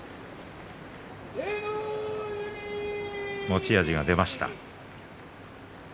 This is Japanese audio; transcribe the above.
持ち味が出ました。